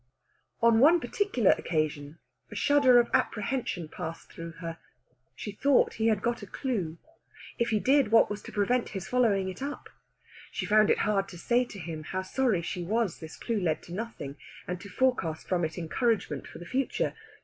On one particular occasion a shudder of apprehension passed through her; she thought he had got a clue. If he did, what was to prevent his following it up? She found it hard to say to him how sorry she was this clue led to nothing, and to forecast from it encouragement for the future.